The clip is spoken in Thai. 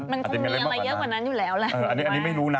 มันคงมีอะไรเยอะกว่านั้นอยู่แล้ว